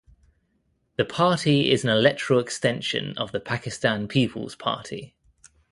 The party is an electoral extension of the Pakistan Peoples Party.